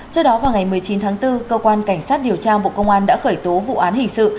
trước đó vào ngày một mươi chín tháng bốn cơ quan cảnh sát điều tra bộ công an đã khởi tố vụ án hình sự